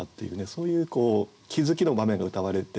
そういう気付きの場面がうたわれていて。